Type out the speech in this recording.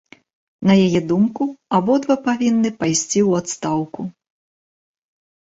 На яе думку, абодва павінны пайсці ў адстаўку.